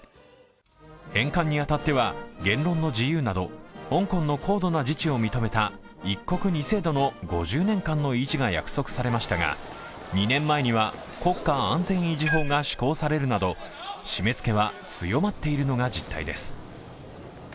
返還に当たっては言論の自由など香港の高度な自治を認めた一国二制度の５０年間の維持が約束されましたが２年前には国家安全維持法が施行されるなど締めつけは強まっているのが実態です。